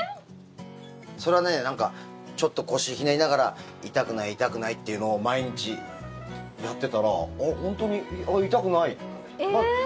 それはねなんか、ちょっと腰ひねりながら痛くない、痛くないっていうのを毎日やってたらあっ、本当に痛くないって。